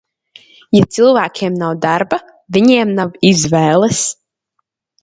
Ja cilvēkiem nav darba, viņiem nav izvēles.